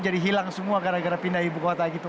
jadi hilang semua gara gara pindah ke ibu kota gitu